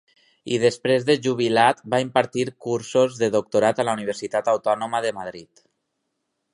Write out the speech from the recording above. I després de jubilat va impartir cursos de doctorat a la Universitat Autònoma de Madrid.